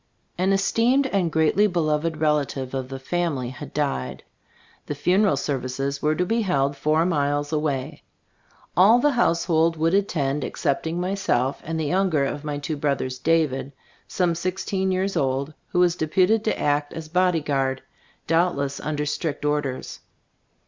An esteemed and greatly beloved relative of the family had died. The funeral ser vices were to be held four miles away. All the household would attend ex i 4 Gbe Storg of as? Gbflftbooft cepting myself and the younger of my two brothers, David, some sixteen years old, who was deputed to act as body guard, doubtless under strict orders.